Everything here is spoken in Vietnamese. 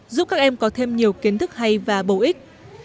giúp các em có thêm nhiều kiến thức hay và bổ ích